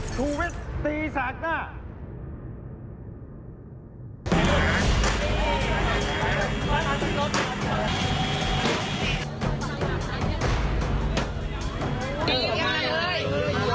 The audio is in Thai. สุวิทย์ตีสากหน้า